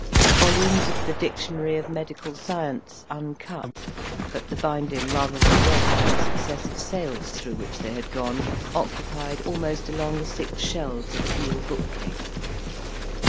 Volumes of the "Dictionary of Medical Science," uncut, but the binding rather the worse for the successive sales through which they had gone, occupied almost along the six shelves of a deal bookcase.